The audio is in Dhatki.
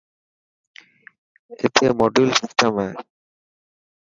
اٿي موڊيول سيٽم هي.